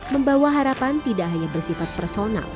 membawa harapan tidak hanya bersifat personal